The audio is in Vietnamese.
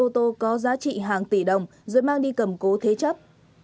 tá trị hàng tỷ đồng rồi mang đi cầm cố thế chấp